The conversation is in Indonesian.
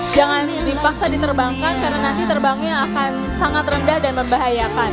jangan dipaksa diterbangkan karena nanti terbangnya akan sangat rendah dan membahayakan